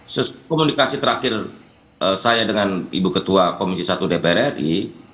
seskomunikasi terakhir saya dengan ibu ketua komisi satu dpr ri